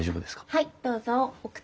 はい。